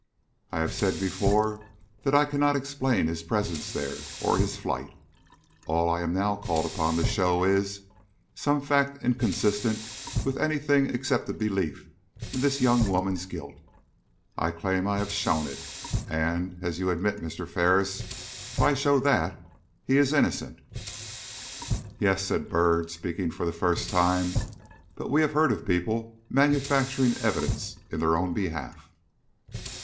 "I have said before that I cannot explain his presence there, or his flight. All I am now called upon to show is, some fact inconsistent with any thing except a belief in this young woman's guilt. I claim I have shown it, and, as you admit, Mr. Ferris, if I show that, he is innocent." "Yes," said Byrd, speaking for the first time; "but we have heard of people manufacturing evidence in their own behalf."